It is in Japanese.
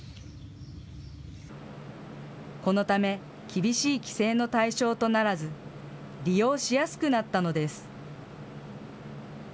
このため、厳しい規制の対象とならず、利用しやすくなったのです。